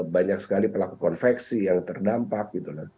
banyak sekali pelaku konveksi yang terdampak